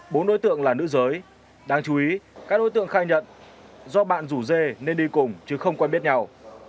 bốn đối tượng là nữ giới đáng chú ý các đối tượng khai nhận do bạn rủ dê nên đi cùng chứ không quen biết nhau